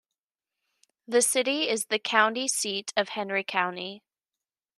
The city is the county seat of Henry County.